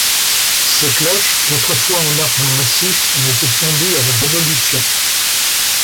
Ses cloches autrefois en argent massif ont été fondues à la Révolution.